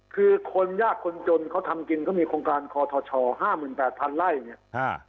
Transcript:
คือคนยากคนจนเขาทำกินเขามีโครงการคอทช๕๘๐๐ไร่เนี่ย